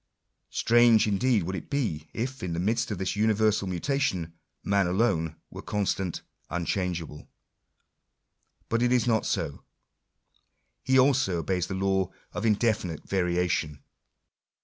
Strange indeed would it be, if, in the midst of this universal mutation, man alone were constant, unchangeable. But it is not so. He also obeys the law of indefinite variation.